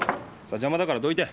邪魔だからどいて。